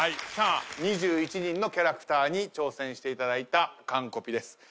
さあ２１人のキャラクターに挑戦していただいたカンコピです。